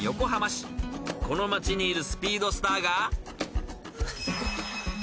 ［この町にいるスピードスターが］